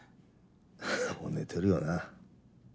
もう寝てるよな。